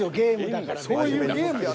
そういうゲームでしょ。